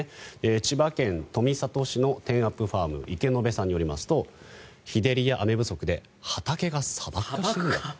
千葉県富里市のテンアップファームの池延さんによりますと日照りや雨不足で畑が砂漠化している。